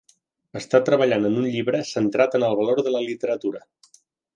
Està treballant en un llibre centrat en el valor de la literatura.